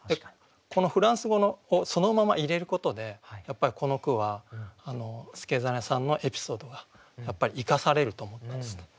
このフランス語をそのまま入れることでやっぱりこの句は祐真さんのエピソードがやっぱり生かされると思ったんです。